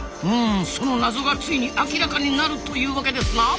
ふんその謎がついに明らかになるというわけですな！